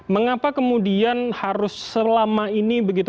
mengapa kemudian harus selama ini